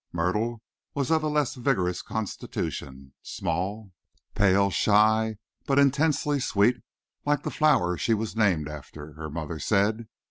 Myrtle was of a less vigorous constitution, small, pale, shy, but intensely sweet like the flower she was named after, her mother said.